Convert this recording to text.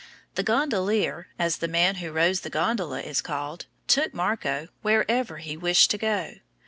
The gondolier, as the man who rows the gondola is called, took Marco wherever he wished to go.